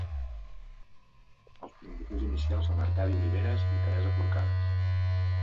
Els promotors inicials són Arcadi Oliveres i Teresa Forcades.